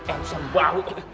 eh bisa bau